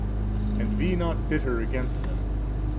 And be not bitter against them.